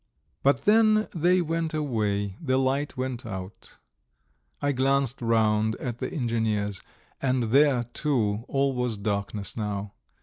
But then they went away; the light went out. ... I glanced round at the engineer's, and there, too, all was darkness now.